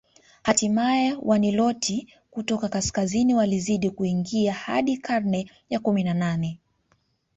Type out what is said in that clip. Hatimae Waniloti kutoka kaskazini walizidi kuingia hadi karne ya kumi na nane